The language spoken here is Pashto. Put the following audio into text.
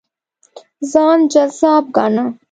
ځان جذاب ګاڼه.